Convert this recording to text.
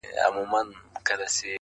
سمدستي ورته خپل ځان را رسومه -